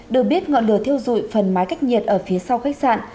được biết ngọn lửa thiêu dụi phần mái cách nhiệt ở phía sau khách sạn